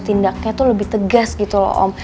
tindaknya tuh lebih tegas gitu loh om